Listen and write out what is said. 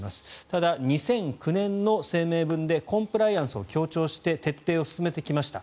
ただ、２００９年の声明文でコンプライアンスを強調して徹底を進めてきました